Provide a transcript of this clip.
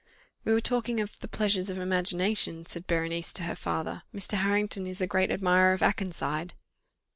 "We were talking of 'The Pleasures of Imagination,'" said Berenice to her father. "Mr. Harrington is a great admirer of Akenside."